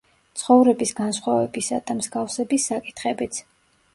ცხოვრების განსხვავებისა და მსგავსების საკითხებიც.